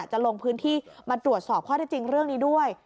จะลงพื้นที่มาตรวจสอบข้อได้จริงเรื่องนี้ด้วย